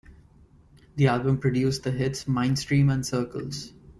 The album produced the hits "Mindstream" and "Circles".